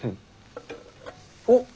おっ！